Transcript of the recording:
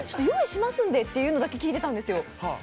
用意しますんでというのだけ聞いてたんですよ。